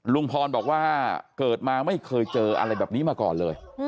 ลุงพรบอกว่าเกิดมาไม่เคยเจออะไรแบบนี้มาก่อนเลย